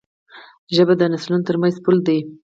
ژبه د نسلونو ترمنځ پُل دی.